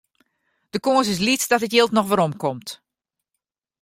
De kâns is lyts dat it jild noch werom komt.